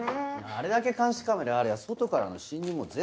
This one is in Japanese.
あれだけ監視カメラがありゃ外からの侵入もゼロだよ。